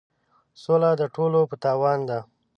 سوله د ټولو په تاوان ده.